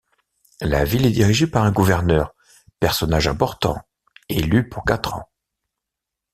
La ville est dirigée par un gouverneur, personnage important, élu pour quatre ans.